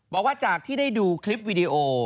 บอกว่าจากที่ได้ดูคลิปวิดีโอ